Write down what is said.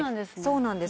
そうなんです。